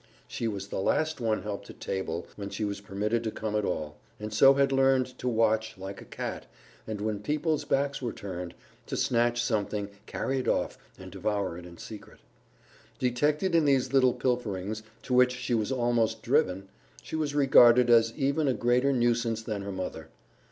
She was the last one helped at table when she was permitted to come at all, and so had early learned to watch, like a cat, and when people's backs were turned, to snatch something, carry it off, and devour it in secret. Detected in these little pilferings, to which she was almost driven, she was regarded as even a greater nuisance than her mother.